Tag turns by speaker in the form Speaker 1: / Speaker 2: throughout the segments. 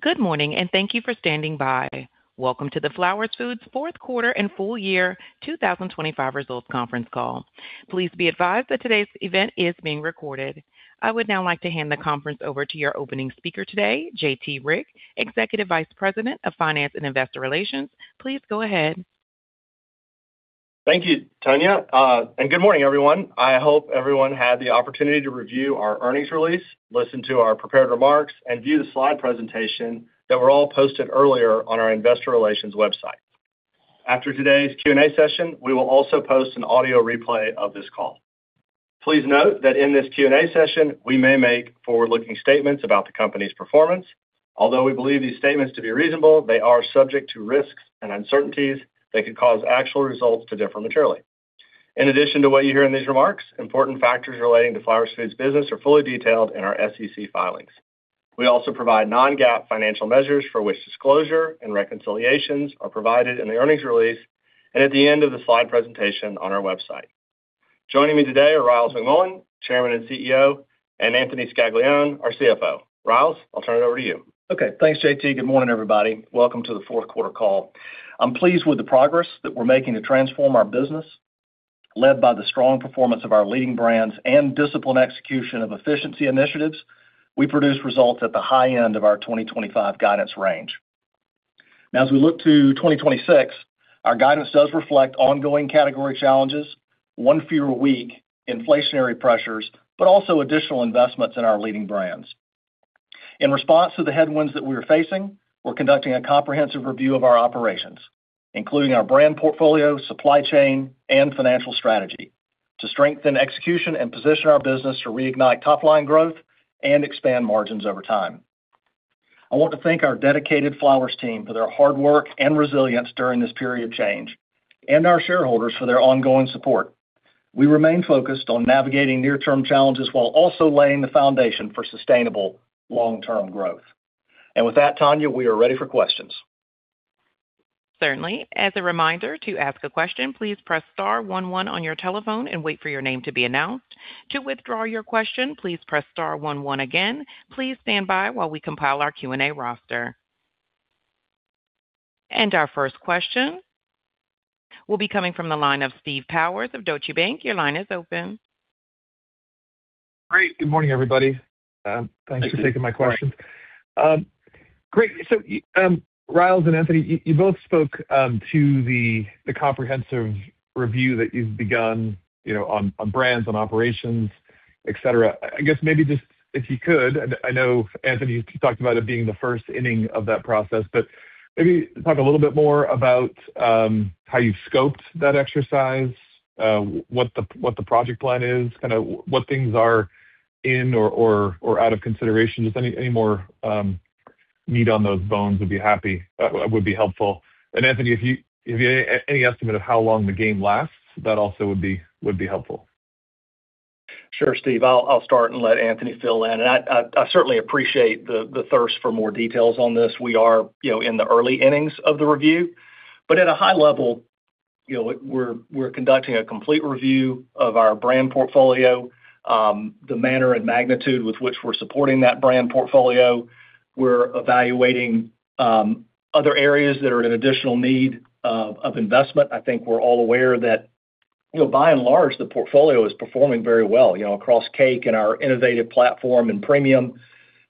Speaker 1: Good morning, and thank you for standing by. Welcome to the Flowers Foods Fourth Quarter and Full Year 2025 results conference call. Please be advised that today's event is being recorded. I would now like to hand the conference over to your opening speaker today, J.T. Rieck, Executive Vice President of Finance and Investor Relations. Please go ahead.
Speaker 2: Thank you, Tonya, and good morning, everyone. I hope everyone had the opportunity to review our earnings release, listen to our prepared remarks, and view the slide presentation that were all posted earlier on our investor relations website. After today's Q&A session, we will also post an audio replay of this call. Please note that in this Q&A session, we may make forward-looking statements about the company's performance. Although we believe these statements to be reasonable, they are subject to risks and uncertainties that could cause actual results to differ materially. In addition to what you hear in these remarks, important factors relating to Flowers Foods business are fully detailed in our SEC filings. We also provide non-GAAP financial measures for which disclosure and reconciliations are provided in the earnings release and at the end of the slide presentation on our website. Joining me today are Ryals McMullian, Chairman and CEO, and Anthony Scaglione, our CFO. Ryals, I'll turn it over to you.
Speaker 3: Okay, thanks, J.T. Good morning, everybody. Welcome to the fourth quarter call. I'm pleased with the progress that we're making to transform our business, led by the strong performance of our leading brands and disciplined execution of efficiency initiatives. We produced results at the high end of our 2025 guidance range. Now, as we look to 2026, our guidance does reflect ongoing category challenges, one fewer week, inflationary pressures, but also additional investments in our leading brands. In response to the headwinds that we are facing, we're conducting a comprehensive review of our operations, including our brand portfolio, supply chain, and financial strategy, to strengthen execution and position our business to reignite top-line growth and expand margins over time. I want to thank our dedicated Flowers team for their hard work and resilience during this period of change and our shareholders for their ongoing support. We remain focused on navigating near-term challenges while also laying the foundation for sustainable long-term growth. With that, Tonya, we are ready for questions.
Speaker 1: Certainly. As a reminder, to ask a question, please press star one one on your telephone and wait for your name to be announced. To withdraw your question, please press star one one again. Please stand by while we compile our Q&A roster. And our first question will be coming from the line of Steve Powers of Deutsche Bank. Your line is open.
Speaker 4: Great. Good morning, everybody. Thanks for taking my questions. Great. So, Ryals and Anthony, you both spoke to the comprehensive review that you've begun, you know, on brands, on operations, et cetera. I guess maybe just if you could, I know Anthony talked about it being the first inning of that process, but maybe talk a little bit more about how you scoped that exercise, what the project plan is, kinda what things are in or out of consideration. Just any more meat on those bones would be helpful. Anthony, if you have any estimate of how long the game lasts, that also would be helpful.
Speaker 3: Sure, Steve. I'll start and let Anthony fill in. I certainly appreciate the thirst for more details on this. We are, you know, in the early innings of the review, but at a high level, you know, we're conducting a complete review of our brand portfolio, the manner and magnitude with which we're supporting that brand portfolio. We're evaluating other areas that are in additional need of investment. I think we're all aware that, you know, by and large, the portfolio is performing very well, you know, across cake and our innovative platform and premium.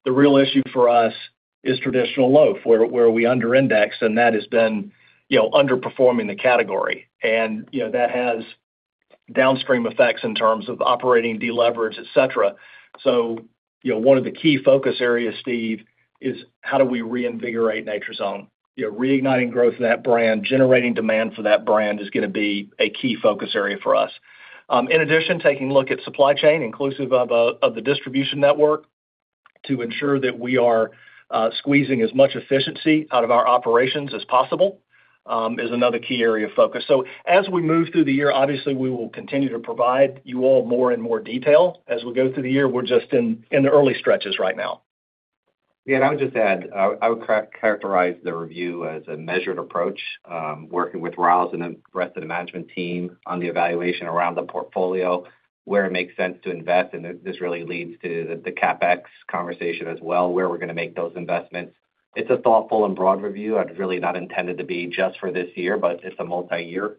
Speaker 3: The real issue for us is traditional loaf, where we underindex, and that has been, you know, underperforming the category. You know, that has downstream effects in terms of operating deleverage, et cetera. So, you know, one of the key focus areas, Steve, is how do we reinvigorate Nature's Own? You know, reigniting growth of that brand, generating demand for that brand is gonna be a key focus area for us. In addition, taking a look at supply chain, inclusive of the distribution network, to ensure that we are squeezing as much efficiency out of our operations as possible, is another key area of focus. So as we move through the year, obviously, we will continue to provide you all more and more detail as we go through the year. We're just in the early stretches right now.
Speaker 5: Yeah, and I would just add, I would characterize the review as a measured approach, working with Ryals and the rest of the management team on the evaluation around the portfolio, where it makes sense to invest, and this really leads to the CapEx conversation as well, where we're gonna make those investments. It's a thoughtful and broad review. It's really not intended to be just for this year, but it's a multi-year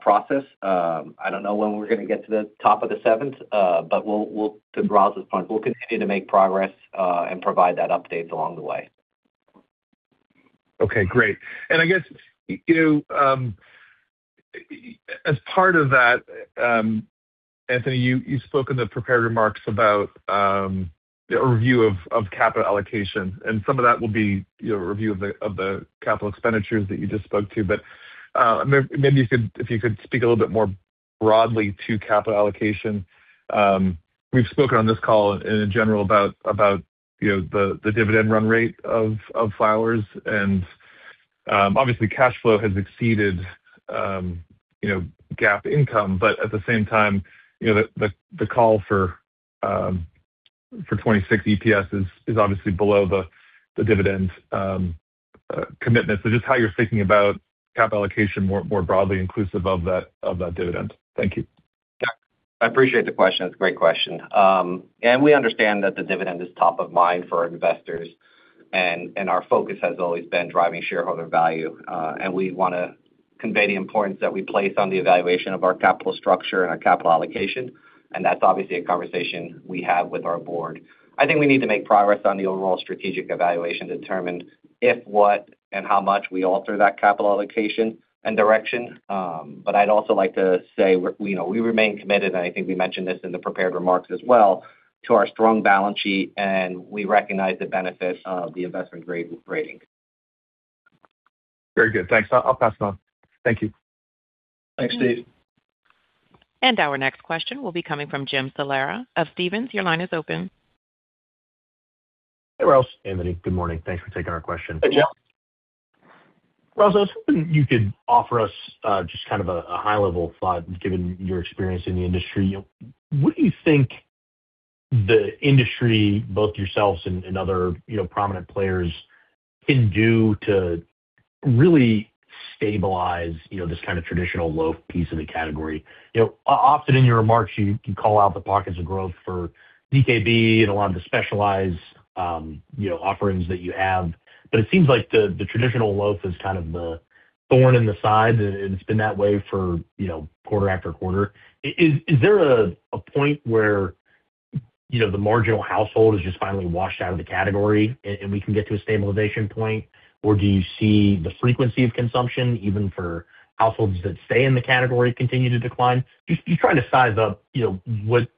Speaker 5: process. I don't know when we're gonna get to the top of the seventh, but we'll, to Ryals's point, we'll continue to make progress, and provide that update along the way.
Speaker 4: Okay, great. And I guess, you, as part of that, Anthony, you spoke in the prepared remarks about, the review of, of capital allocation, and some of that will be, you know, a review of the, of the capital expenditures that you just spoke to. But, maybe you could—if you could speak a little bit more broadly to capital allocation. We've spoken on this call in general about, about, you know, the, the dividend run rate of, of Flowers, and, obviously, cash flow has exceeded, you know, GAAP income. But at the same time, you know, the, the call for, for 2026 EPS is, is obviously below the, the dividend, commitment. So just how you're thinking about cap allocation more broadly inclusive of that, of that dividend. Thank you....
Speaker 5: I appreciate the question. It's a great question. And we understand that the dividend is top of mind for our investors, and our focus has always been driving shareholder value. And we wanna convey the importance that we place on the evaluation of our capital structure and our capital allocation, and that's obviously a conversation we have with our board. I think we need to make progress on the overall strategic evaluation to determine if, what, and how much we alter that capital allocation and direction. But I'd also like to say we, you know, we remain committed, and I think we mentioned this in the prepared remarks as well, to our strong balance sheet, and we recognize the benefit of the investment grade rating.
Speaker 4: Very good. Thanks. I'll pass it on. Thank you.
Speaker 3: Thanks, Steve.
Speaker 1: Our next question will be coming from Jim Salera of Stephens. Your line is open.
Speaker 6: Hey, Ross. Anthony, good morning. Thanks for taking our question.
Speaker 3: Hey, Jim.
Speaker 6: Ryals, I was hoping you could offer us just kind of a high-level thought, given your experience in the industry. What do you think the industry, both yourselves and other, you know, prominent players, can do to really stabilize, you know, this kind of traditional loaf piece of the category? You know, often in your remarks, you call out the pockets of growth for DKB and a lot of the specialized, you know, offerings that you have. But it seems like the traditional loaf is kind of the thorn in the side, and it's been that way for, you know, quarter after quarter. Is there a point where, you know, the marginal household is just finally washed out of the category, and we can get to a stabilization point? Or do you see the frequency of consumption, even for households that stay in the category, continue to decline? Just you try to size up, you know, what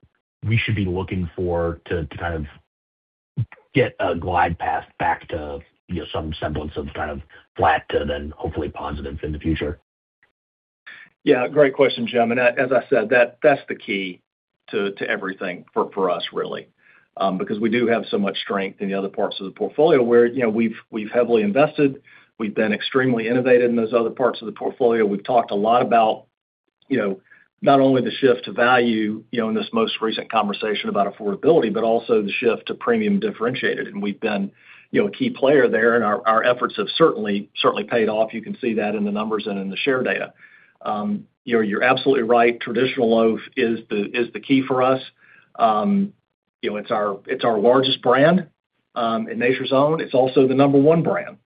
Speaker 6: we should be looking for to kind of get a glide path back to, you know, some semblance of kind of flat to then hopefully positive in the future.
Speaker 3: Yeah, great question, Jim. And as I said, that's the key to everything for us, really. Because we do have so much strength in the other parts of the portfolio where, you know, we've heavily invested, we've been extremely innovative in those other parts of the portfolio. We've talked a lot about, you know, not only the shift to value, you know, in this most recent conversation about affordability, but also the shift to premium differentiated. And we've been, you know, a key player there, and our efforts have certainly paid off. You can see that in the numbers and in the share data. You know, you're absolutely right, traditional loaf is the key for us. You know, it's our largest brand in Nature's Own. It's also the number one brand.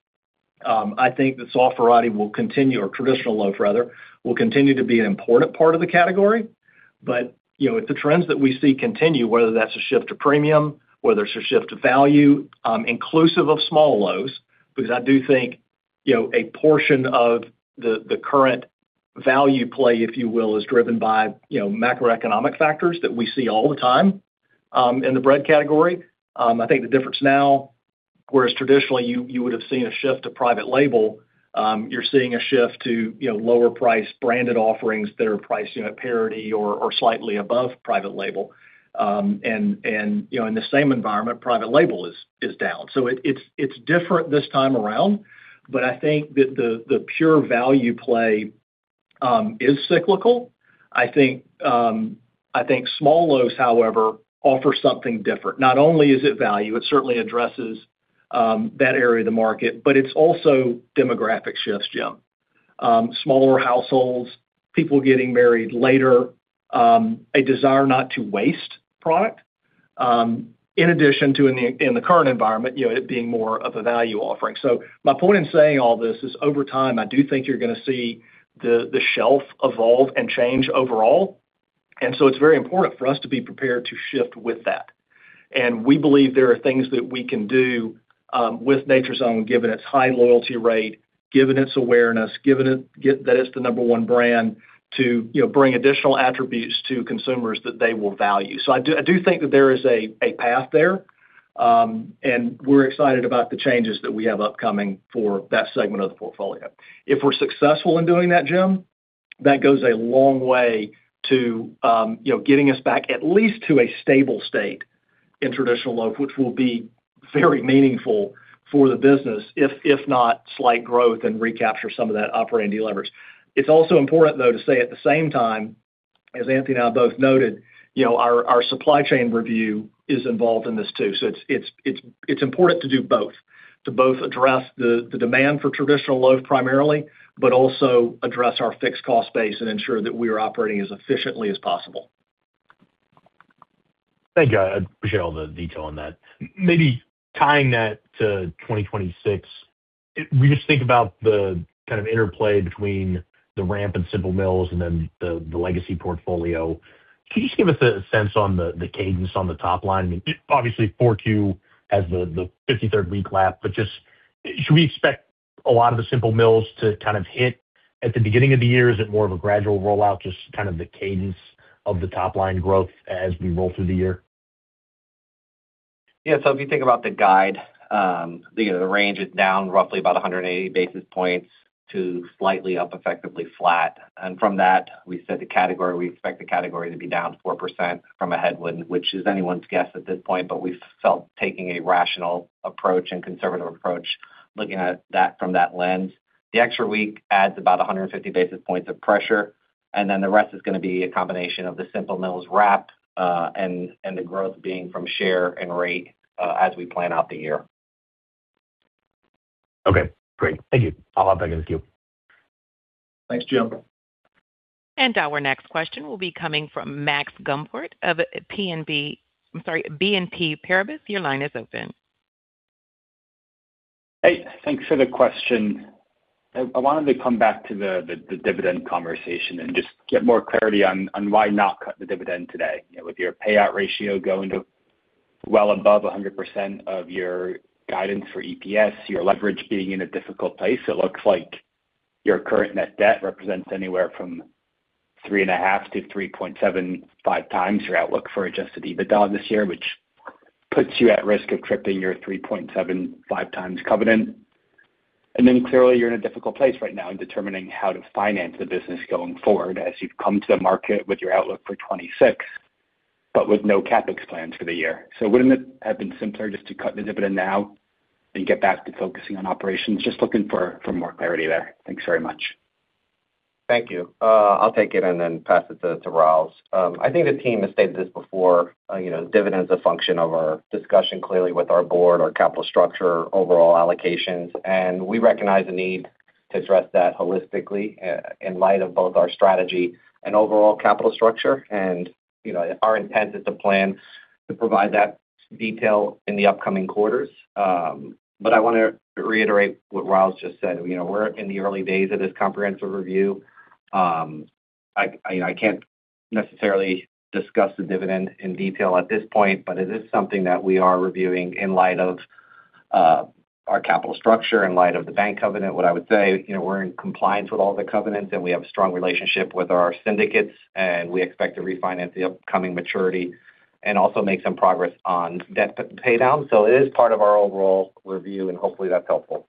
Speaker 3: I think the soft variety will continue, or traditional loaf rather, will continue to be an important part of the category. But, you know, if the trends that we see continue, whether that's a shift to premium, whether it's a shift to value, inclusive of small loaves, because I do think, you know, a portion of the current value play, if you will, is driven by, you know, macroeconomic factors that we see all the time, in the bread category. I think the difference now, whereas traditionally you would have seen a shift to private label, you're seeing a shift to, you know, lower priced branded offerings that are priced, you know, at parity or slightly above private label. And, you know, in the same environment, private label is down. So it's different this time around, but I think that the pure value play is cyclical. I think small loaves, however, offer something different. Not only is it value, it certainly addresses that area of the market, but it's also demographic shifts, Jim. Smaller households, people getting married later, a desire not to waste product, in addition to in the current environment, you know, it being more of a value offering. So my point in saying all this is, over time, I do think you're gonna see the shelf evolve and change overall. And so it's very important for us to be prepared to shift with that. And we believe there are things that we can do, with Nature's Own, given its high loyalty rate, given its awareness, given that it's the number one brand, to, you know, bring additional attributes to consumers that they will value. So I do, I do think that there is a path there, and we're excited about the changes that we have upcoming for that segment of the portfolio. If we're successful in doing that, Jim, that goes a long way to, you know, getting us back at least to a stable state in traditional loaf, which will be very meaningful for the business, if not slight growth and recapture some of that operating leverage. It's also important, though, to say at the same time, as Anthony and I both noted, you know, our supply chain review is involved in this too. So it's important to do both, to both address the demand for traditional loaf primarily, but also address our fixed cost base and ensure that we are operating as efficiently as possible.
Speaker 6: Thank you. I appreciate all the detail on that. Maybe tying that to 2026, we just think about the kind of interplay between the ramp and Simple Mills and then the, the legacy portfolio. Can you just give us a sense on the, the cadence on the top line? I mean, obviously, Q4 has the, the 53rd week lap, but just, should we expect a lot of the Simple Mills to kind of hit at the beginning of the year? Is it more of a gradual rollout, just kind of the cadence of the top line growth as we roll through the year?
Speaker 5: Yeah. So if you think about the guide, the range is down roughly about 180 basis points to slightly up, effectively flat. And from that, we said the category—we expect the category to be down 4% from a headwind, which is anyone's guess at this point, but we felt taking a rational approach and conservative approach, looking at that from that lens. The extra week adds about 150 basis points of pressure, and then the rest is gonna be a combination of the Simple Mills ramp, and, and the growth being from share and rate, as we plan out the year.... Okay, great. Thank you. I'll hop back in the queue.
Speaker 3: Thanks, Jim.
Speaker 1: Our next question will be coming from Max Gumport of BNP-- I'm sorry, BNP Paribas. Your line is open.
Speaker 7: Hey, thanks for the question. I wanted to come back to the dividend conversation and just get more clarity on why not cut the dividend today. You know, with your payout ratio going to well above 100% of your guidance for EPS, your leverage being in a difficult place, it looks like your current net debt represents anywhere from 3.5-3.75 times your outlook for adjusted EBITDA this year, which puts you at risk of tripping your 3.75 times covenant. And then clearly, you're in a difficult place right now in determining how to finance the business going forward, as you've come to the market with your outlook for 2026, but with no CapEx plans for the year. Wouldn't it have been simpler just to cut the dividend now and get back to focusing on operations? Just looking for more clarity there. Thanks very much.
Speaker 5: Thank you. I'll take it and then pass it to Ryals. I think the team has stated this before, you know, dividend is a function of our discussion, clearly, with our board, our capital structure, overall allocations, and we recognize the need to address that holistically, in light of both our strategy and overall capital structure. And, you know, our intent is to plan to provide that detail in the upcoming quarters. But I wanna reiterate what Ryals just said. You know, we're in the early days of this comprehensive review. I, you know, I can't necessarily discuss the dividend in detail at this point, but it is something that we are reviewing in light of our capital structure, in light of the bank covenant. What I would say, you know, we're in compliance with all the covenants, and we have a strong relationship with our syndicates, and we expect to refinance the upcoming maturity and also make some progress on debt pay down. So it is part of our overall review, and hopefully, that's helpful.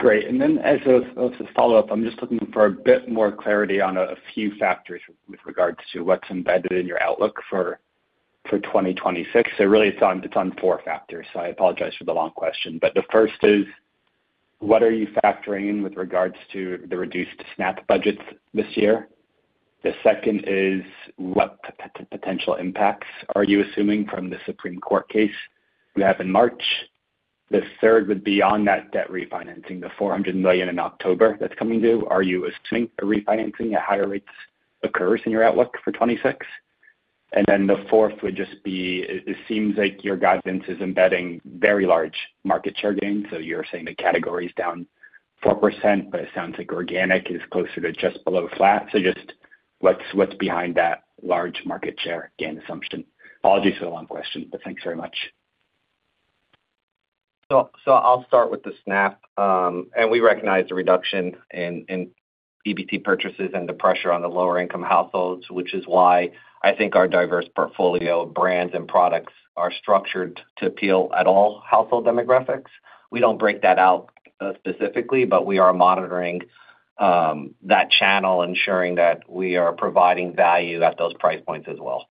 Speaker 7: Great. And then as a follow-up, I'm just looking for a bit more clarity on a few factors with regards to what's embedded in your outlook for 2026. So really, it's on four factors. So I apologize for the long question. But the first is: what are you factoring in with regards to the reduced SNAP budgets this year? The second is: what potential impacts are you assuming from the Supreme Court case we have in March? The third would be on that debt refinancing, the $400 million in October that's coming due. Are you assuming a refinancing at higher rates occurs in your outlook for 2026? And then the fourth would just be, it seems like your guidance is embedding very large market share gains. So you're saying the category is down 4%, but it sounds like organic is closer to just below flat. So just what's, what's behind that large market share gain assumption? Apologies for the long question, but thanks very much.
Speaker 5: So, I'll start with the SNAP. We recognize the reduction in EBT purchases and the pressure on the lower-income households, which is why I think our diverse portfolio of brands and products are structured to appeal at all household demographics. We don't break that out, specifically, but we are monitoring that channel, ensuring that we are providing value at those price points as well.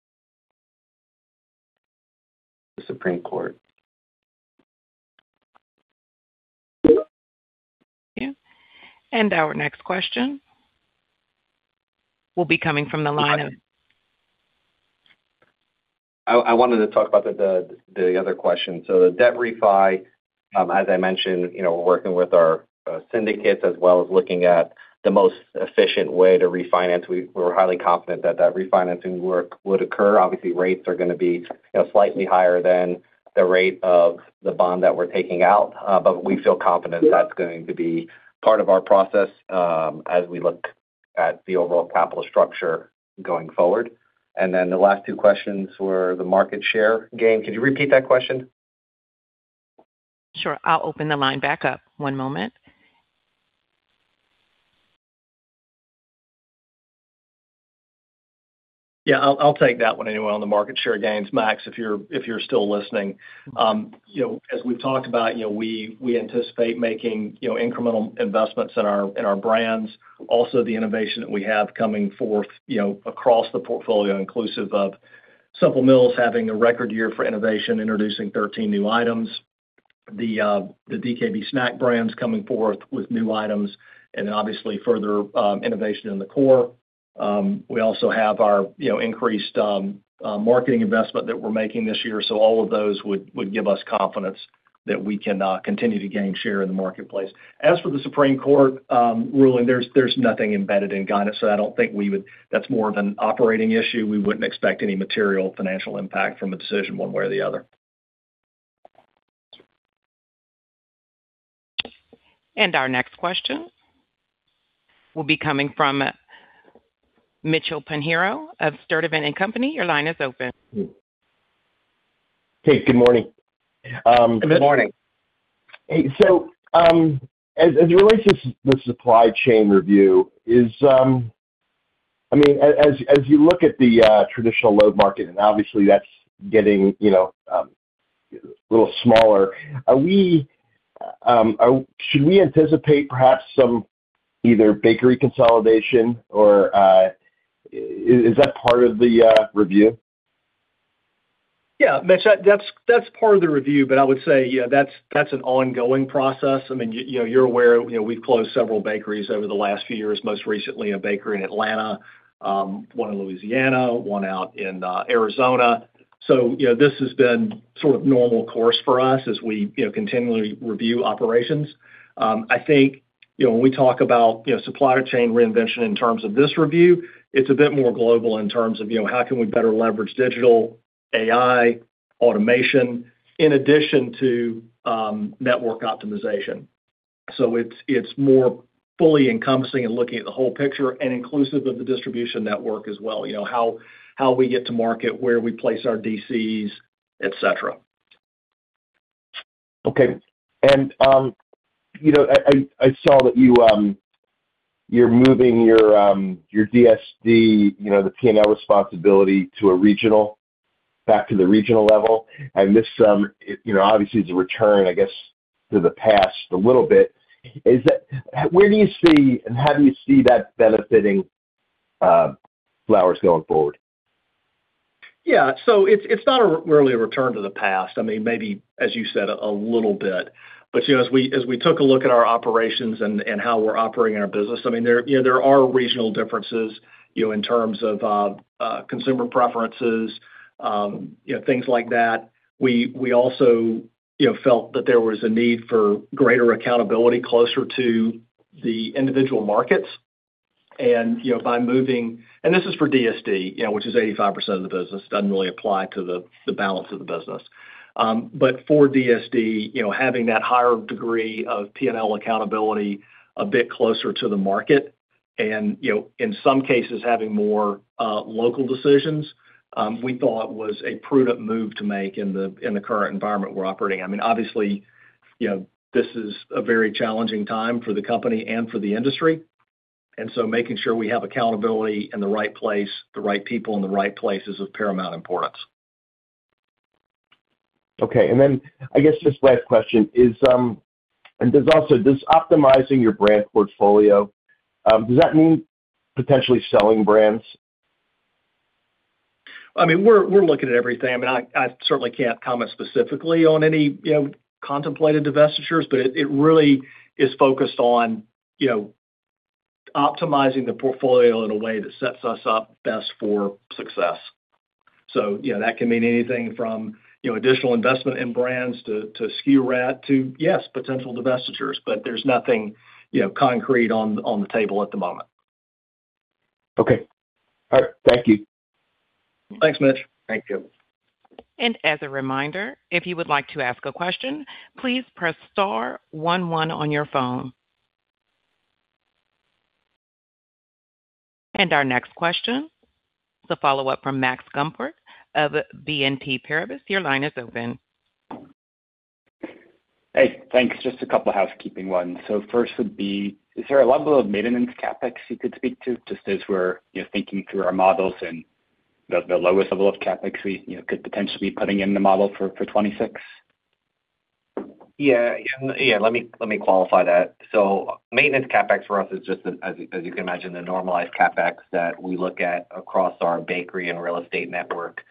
Speaker 7: The Supreme Court.
Speaker 1: Thank you. Our next question will be coming from the line of-
Speaker 5: I wanted to talk about the other question. So the debt refi, as I mentioned, you know, we're working with our syndicates as well as looking at the most efficient way to refinance. We're highly confident that refinancing work would occur. Obviously, rates are gonna be, you know, slightly higher than the rate of the bond that we're taking out, but we feel confident that's going to be part of our process, as we look at the overall capital structure going forward. And then the last two questions were the market share gain. Could you repeat that question?
Speaker 1: Sure. I'll open the line back up. One moment.
Speaker 3: Yeah, I'll take that one anyway, on the market share gains. Max, if you're still listening. You know, as we've talked about, you know, we anticipate making, you know, incremental investments in our brands. Also, the innovation that we have coming forth, you know, across the portfolio, inclusive of Simple Mills having a record year for innovation, introducing 13 new items. The DKB Snack brands coming forth with new items and then obviously further innovation in the core. We also have our, you know, increased marketing investment that we're making this year. So all of those would give us confidence that we can continue to gain share in the marketplace. As for the Supreme Court ruling, there's nothing embedded in guidance, so I don't think we would. That's more of an operating issue. We wouldn't expect any material financial impact from the decision one way or the other.
Speaker 1: Our next question will be coming from Mitchell Pinheiro of Sturdivant & Company. Your line is open.
Speaker 8: Hey, good morning.
Speaker 3: Good morning.
Speaker 8: Hey, so as it relates to the supply chain review, is... I mean, as you look at the traditional [loaf] market, and obviously that's getting, you know, a little smaller, are we... should we anticipate perhaps some either bakery consolidation or... is that part of the review?
Speaker 3: Yeah, Mitch, that's part of the review, but I would say, yeah, that's an ongoing process. I mean, you know, you're aware, you know, we've closed several bakeries over the last few years, most recently a bakery in Atlanta, one in Louisiana, one out in Arizona. So, you know, this has been sort of normal course for us as we, you know, continually review operations. I think, you know, when we talk about supply chain reinvention in terms of this review, it's a bit more global in terms of, you know, how can we better leverage digital, AI, automation, in addition to network optimization. So it's more fully encompassing and looking at the whole picture and inclusive of the distribution network as well, you know, how we get to market, where we place our DCs, et cetera.
Speaker 8: Okay. And, you know, I saw that you, you're moving your, your DSD, you know, the P&L responsibility to a regional, back to the regional level. And this, you know, obviously, is a return, I guess, to the past a little bit. Is that—where do you see, and how do you see that benefiting, Flowers going forward?
Speaker 3: Yeah, so it's not really a return to the past. I mean, maybe, as you said, a little bit. But, you know, as we took a look at our operations and how we're operating our business, I mean, there, you know, there are regional differences, you know, in terms of consumer preferences, you know, things like that. We also, you know, felt that there was a need for greater accountability closer to the individual markets. And, you know, by moving... And this is for DSD, you know, which is 85% of the business, doesn't really apply to the balance of the business. But for DSD, you know, having that higher degree of P&L accountability a bit closer to the market, and, you know, in some cases, having more local decisions, we thought was a prudent move to make in the current environment we're operating. I mean, obviously, you know, this is a very challenging time for the company and for the industry, and so making sure we have accountability in the right place, the right people in the right places, is of paramount importance.
Speaker 8: Okay, and then I guess this last question: is, and there's also this optimizing your brand portfolio, does that mean potentially selling brands?
Speaker 3: I mean, we're looking at everything. I mean, I certainly can't comment specifically on any, you know, contemplated divestitures, but it really is focused on, you know, optimizing the portfolio in a way that sets us up best for success. So, you know, that can mean anything from, you know, additional investment in brands to SKU rationalization to, yes, potential divestitures, but there's nothing, you know, concrete on the table at the moment.
Speaker 8: Okay. All right, thank you.
Speaker 3: Thanks, Mitch.
Speaker 8: Thank you.
Speaker 1: As a reminder, if you would like to ask a question, please press star one one on your phone. Our next question is a follow-up from Max Gumport of BNP Paribas. Your line is open.
Speaker 7: Hey, thanks. Just a couple of housekeeping ones. So first would be, is there a level of maintenance CapEx you could speak to, just as we're, you know, thinking through our models and the lowest level of CapEx we, you know, could potentially be putting in the model for 2026?
Speaker 5: Yeah, yeah, let me qualify that. So maintenance CapEx for us is just as you can imagine, the normalized CapEx that we look at across our bakery and real estate network,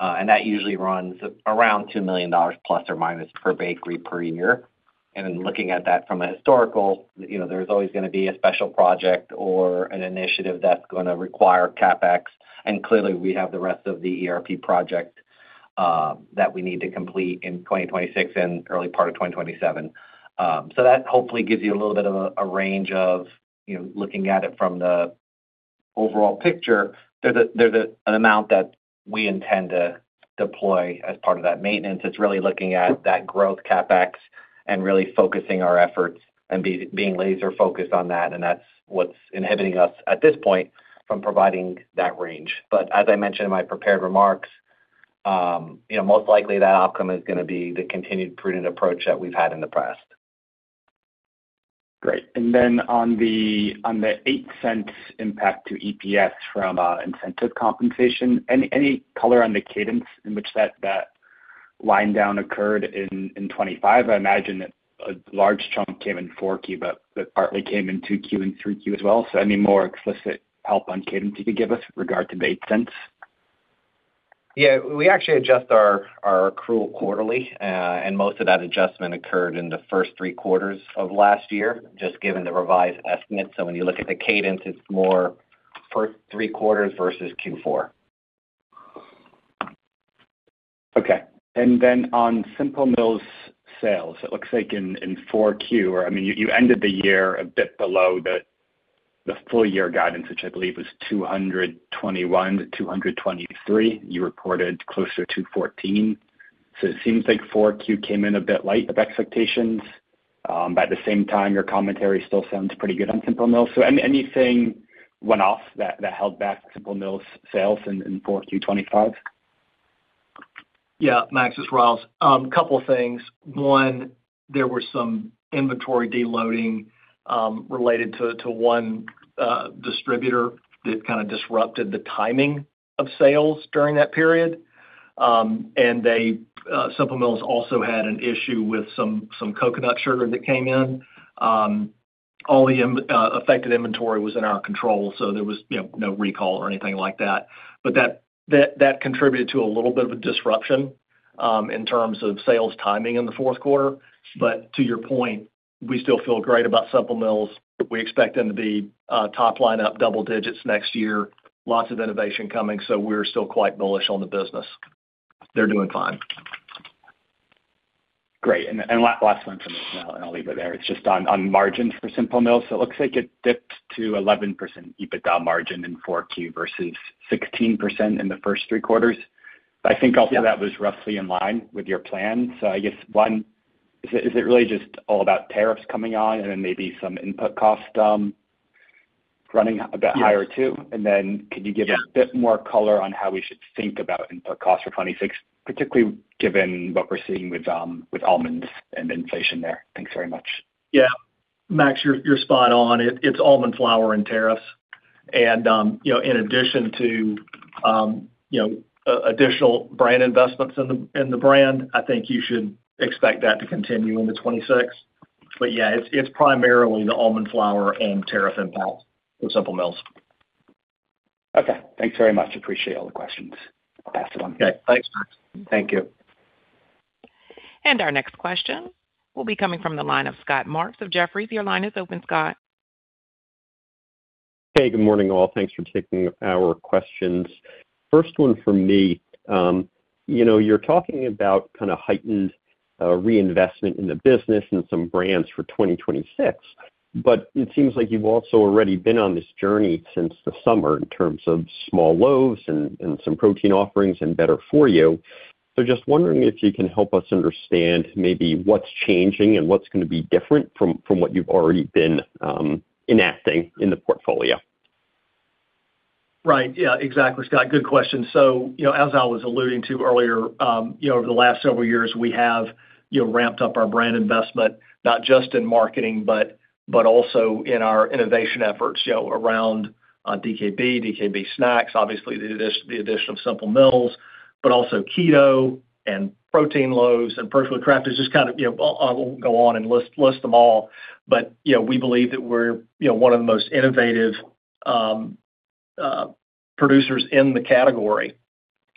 Speaker 5: and that usually runs around $2 million ± per bakery per year. And then looking at that from a historical, you know, there's always gonna be a special project or an initiative that's gonna require CapEx, and clearly, we have the rest of the ERP project that we need to complete in 2026 and early part of 2027. So that hopefully gives you a little bit of a range of, you know, looking at it from the overall picture. There's an amount that we intend to deploy as part of that maintenance. It's really looking at that growth CapEx and really focusing our efforts and being laser focused on that, and that's what's inhibiting us at this point from providing that range. But as I mentioned in my prepared remarks, you know, most likely that outcome is gonna be the continued prudent approach that we've had in the past.
Speaker 7: Great. And then on the eight cents impact to EPS from incentive compensation, any color on the cadence in which that wind down occurred in 2025? I imagine that a large chunk came in Q4, but that partly came in Q2 and Q3 as well. So any more explicit help on cadence you could give us regard to the $0.08?
Speaker 5: Yeah, we actually adjust our, our accrual quarterly, and most of that adjustment occurred in the first three quarters of last year, just given the revised estimate. So when you look at the cadence, it's more first three quarters versus Q4.
Speaker 7: Okay. And then on Simple Mills sales, it looks like in Q4, I mean, you ended the year a bit below the full year guidance, which I believe was $221-$223. You reported closer to $14. So it seems like Q4 came in a bit light of expectations. But at the same time, your commentary still sounds pretty good on Simple Mills. So anything went off that held back Simple Mills sales in Q4 2025?
Speaker 3: Yeah, Max, it's Ryals. A couple of things. One, there were some inventory deloading, related to, to one, distributor that kinda disrupted the timing of sales during that period. And they, Simple Mills also had an issue with some, some coconut sugar that came in. All the, affected inventory was in our control, so there was, you know, no recall or anything like that. But that, that, that contributed to a little bit of a disruption.... in terms of sales timing in the fourth quarter. But to your point, we still feel great about Simple Mills. We expect them to be, top line up double digits next year. Lots of innovation coming, so we're still quite bullish on the business. They're doing fine.
Speaker 7: Great. And last one from me, and I'll leave it there. It's just on margins for Simple Mills. It looks like it dipped to 11% EBITDA margin in Q4 versus 16% in the first three quarters.
Speaker 3: Yeah.
Speaker 7: I think also that was roughly in line with your plan. So I guess, one, is it, is it really just all about tariffs coming on and then maybe some input cost, running a bit higher, too?
Speaker 3: Yes.
Speaker 7: Then could you give a bit more color on how we should think about input costs for 2026, particularly given what we're seeing with almonds and inflation there? Thanks very much.
Speaker 3: Yeah. Max, you're spot on. It's almond flour and tariffs. And, you know, in addition to, you know, additional brand investments in the brand, I think you should expect that to continue into 2026. But yeah, it's primarily the almond flour and tariff impact for Simple Mills.
Speaker 7: Okay. Thanks very much. Appreciate all the questions. I'll pass it on.
Speaker 3: Okay, thanks, Max. Thank you.
Speaker 1: Our next question will be coming from the line of Scott Marks of Jefferies. Your line is open, Scott.
Speaker 9: Hey, good morning, all. Thanks for taking our questions. First one for me, you know, you're talking about kind of heightened reinvestment in the business and some brands for 2026, but it seems like you've also already been on this journey since the summer in terms of small loaves and some protein offerings and better for you. So just wondering if you can help us understand maybe what's changing and what's gonna be different from what you've already been enacting in the portfolio.
Speaker 3: Right. Yeah, exactly, Scott. Good question. So, you know, as I was alluding to earlier, you know, over the last several years, we have, you know, ramped up our brand investment, not just in marketing, but, but also in our innovation efforts, you know, around DKB, DKB Snacks, obviously, the addition, the addition of Simple Mills, but also Keto and protein loaves and Perfectly Crafted. Just kind of, you know, I won't go on and list, list them all, but, you know, we believe that we're, you know, one of the most innovative producers in the category.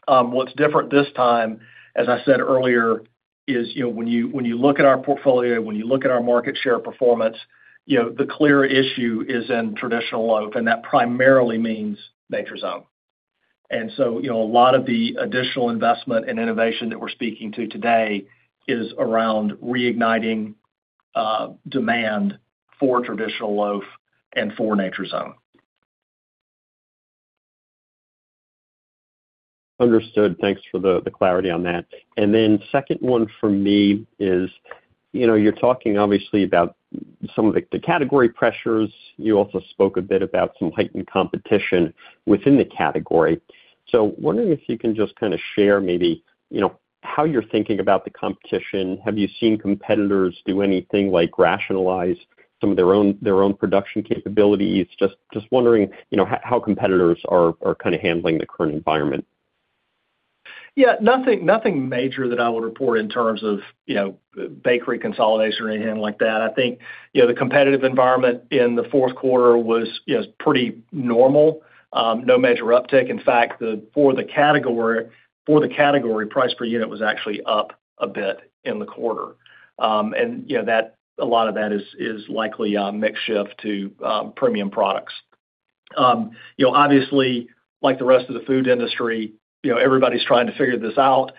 Speaker 3: What's different this time, as I said earlier, is, you know, when you, when you look at our portfolio, when you look at our market share performance, you know, the clear issue is in traditional loaf, and that primarily means Nature's Own. And so, you know, a lot of the additional investment and innovation that we're speaking to today is around reigniting demand for traditional loaf and for Nature's Own.
Speaker 9: Understood. Thanks for the clarity on that. And then second one for me is, you know, you're talking obviously about some of the category pressures. You also spoke a bit about some heightened competition within the category. So wondering if you can just kind of share maybe, you know, how you're thinking about the competition. Have you seen competitors do anything like rationalize some of their own production capabilities? Just wondering, you know, how competitors are kind of handling the current environment.
Speaker 3: Yeah, nothing, nothing major that I would report in terms of, you know, bakery consolidation or anything like that. I think, you know, the competitive environment in the fourth quarter was, you know, pretty normal. No major uptick. In fact, for the category, for the category, price per unit was actually up a bit in the quarter. And, you know, that a lot of that is, is likely mix shift to premium products. You know, obviously, like the rest of the food industry, you know, everybody's trying to figure this out.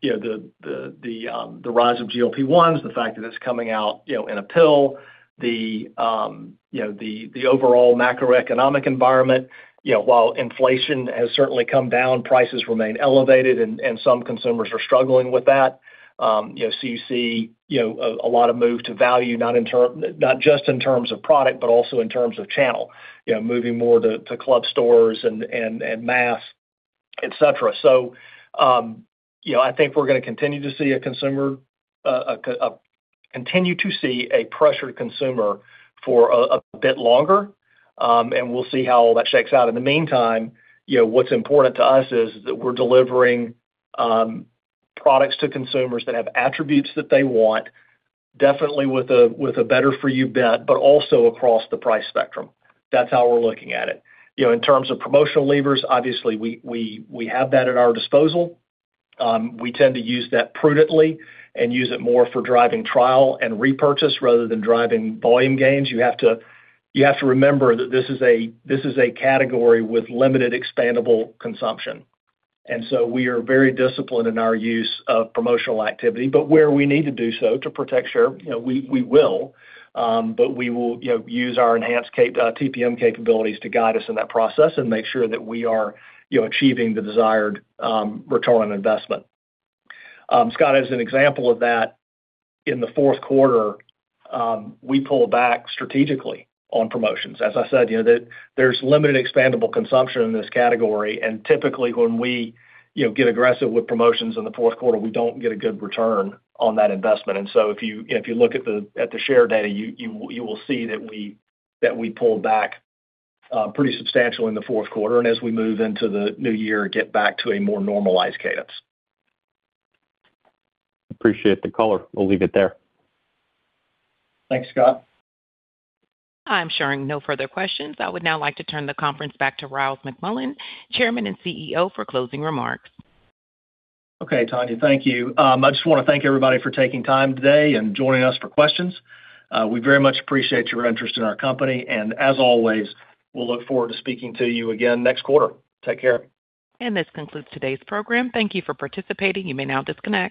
Speaker 3: You know, the rise of GLP-1s, the fact that it's coming out, you know, in a pill, the overall macroeconomic environment, you know, while inflation has certainly come down, prices remain elevated, and some consumers are struggling with that. You know, so you see, you know, a lot of move to value, not just in terms of product, but also in terms of channel, you know, moving more to club stores and mass, et cetera. So, you know, I think we're gonna continue to see a pressured consumer for a bit longer, and we'll see how all that shakes out. In the meantime, you know, what's important to us is that we're delivering products to consumers that have attributes that they want, definitely with a better for you bet, but also across the price spectrum. That's how we're looking at it. You know, in terms of promotional levers, obviously, we have that at our disposal. We tend to use that prudently and use it more for driving trial and repurchase rather than driving volume gains. You have to, you have to remember that this is a, this is a category with limited expandable consumption, and so we are very disciplined in our use of promotional activity, but where we need to do so to protect share, you know, we, we will. But we will, you know, use our enhanced TPM capabilities to guide us in that process and make sure that we are, you know, achieving the desired return on investment. Scott, as an example of that, in the fourth quarter, we pulled back strategically on promotions. As I said, you know, that there's limited expandable consumption in this category, and typically, when we, you know, get aggressive with promotions in the fourth quarter, we don't get a good return on that investment. And so if you look at the share data, you will see that we pulled back pretty substantially in the fourth quarter, and as we move into the new year, get back to a more normalized cadence.
Speaker 9: Appreciate the color. We'll leave it there.
Speaker 3: Thanks, Scott.
Speaker 1: I'm showing no further questions. I would now like to turn the conference back to Ryals McMullian, Chairman and CEO, for closing remarks.
Speaker 3: Okay, Tonya, thank you. I just wanna thank everybody for taking time today and joining us for questions. We very much appreciate your interest in our company, and as always, we'll look forward to speaking to you again next quarter. Take care.
Speaker 1: This concludes today's program. Thank you for participating. You may now disconnect.